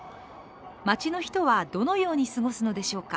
街の人はどのように過ごすのでしょうか。